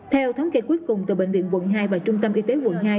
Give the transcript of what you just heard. theo thống kê cuối cùng từ bệnh viện quận hai và trung tâm y tế quận hai